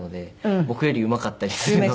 僕よりうまかったりするので。